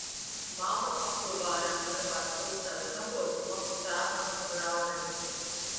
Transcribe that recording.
Mammu apglabājam Lielvārdes pilsētas kapos blakus tēvam un brālim.